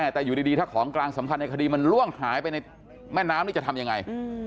แต่อยู่ดีถ้าของกลางสำคัญในคดีมันล่วงหายไปในแม่น้ำนี่จะทำยังไง